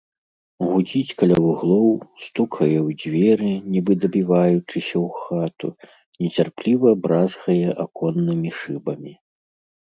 Гудзіць каля вуглоў, стукае ў дзверы, нібы дабіваючыся ў хату, нецярпліва бразгае аконнымі шыбамі.